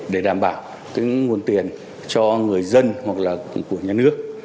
để đảm bảo cái nguồn tiền cho người dân hoặc là của nhà nước